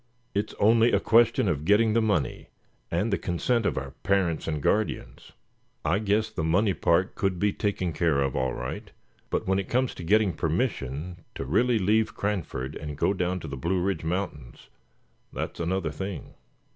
It's only a question of getting the money, and the consent of our parents and guardians. I guess the money part could be taken care of, all right; but when it comes to getting permission to really leave Cranford, and go down to the Blue Ridge mountains, that's another thing.